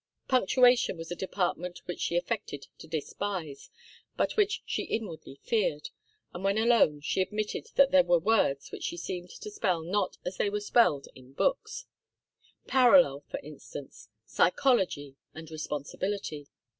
Punctuation was a department which she affected to despise, but which she inwardly feared, and when alone she admitted that there were words which she seemed to spell not as they were spelled in books 'parallel,' for instance, 'psychology' and 'responsibility.